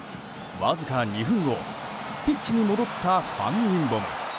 わずか２分後、ピッチに戻ったファン・インボム。